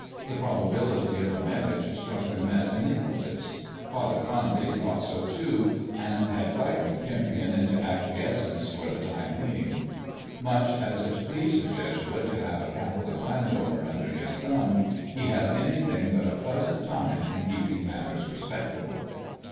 The probability of a marriage struck them as iniquitous. Father Condy thought so too, and had frightened Kempion into acquiescence for the time being. Much as it pleased the Jesuit to have a Catholic landowner under his thumb, he had anything but a pleasant time in keeping matters respectable.